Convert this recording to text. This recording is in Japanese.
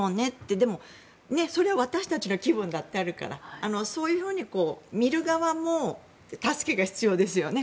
でも、それは私たちの気分だってあるからそういうふうに見る側も助けが必要ですよね。